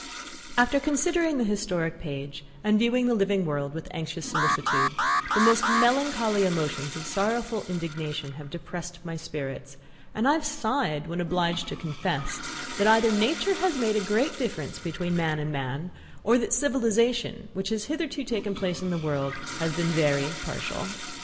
After considering the historic page, and viewing the living world with anxious solicitude, the most melancholy emotions of sorrowful indignation have depressed my spirits, and I have sighed when obliged to confess, that either nature has made a great difference between man and man, or that the civilization, which has hitherto taken place in the world, has been very partial.